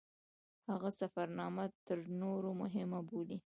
هغه سفرنامه تر نورو مهمه بولي.